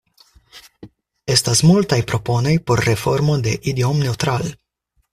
Estas multaj proponoj por reformo de Idiom-Neutral.